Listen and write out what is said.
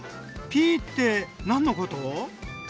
「ピー」って何のこと？